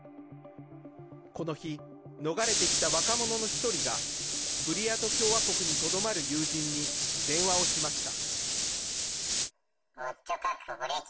この日、逃れてきた若者の１人がブリヤート共和国にとどまる友人に電話をしました。